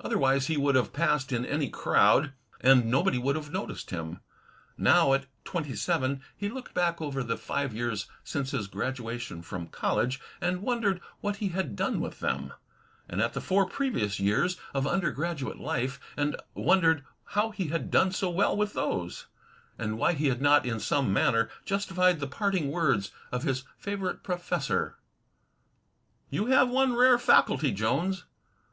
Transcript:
Otherwise he would have passed in any crowd, and nobody would have noticed him pass. Now, at twenty seven, he looked back over the five years since his graduation from college and wondered what he had done with them; and at the four previous years of undergraduate life and wondered how he had done so well with those, and why he had not in some manner justified the parting words of his favorite professor: "You have one rare faculty, Jones.